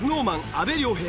阿部亮平。